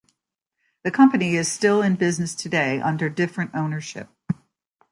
The company is still in business today under different ownership.